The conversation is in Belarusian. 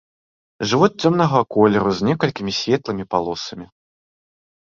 Жывот цёмнага колеру з некалькімі светлымі палосамі.